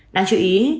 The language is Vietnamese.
đáng chú ý